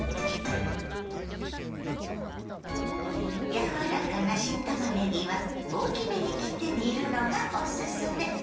柔らかな新たまねぎは大きめに切って煮るのがおすすめ。